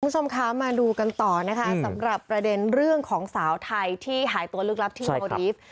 คุณผู้ชมคะมาดูกันต่อนะคะสำหรับประเด็นเรื่องของสาวไทยที่หายตัวลึกลับที่โนรีฟ